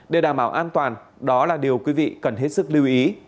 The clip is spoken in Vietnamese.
để đảm bảo an toàn đó là điều quý vị cần hết sức lưu ý